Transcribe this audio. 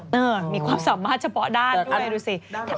เฮ่ยพี่มีความสามารถเฉพาะด้านอันนี้ดูซิ